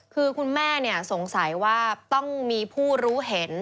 คือคุณแม่สงสัยว่าต้องมีผู้รู้เห็น